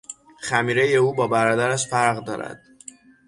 خمیرهی او با برادرش فرق دارد.